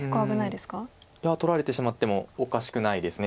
いや取られてしまってもおかしくないです